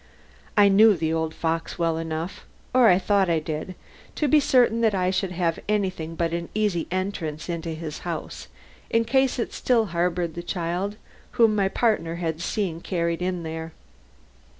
I knew the old fox well enough, or thought I did, to be certain that I should have anything but an easy entrance into his house, in case it still harbored the child whom my partner had seen carried in there.